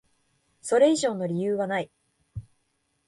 それ以上の理由はない。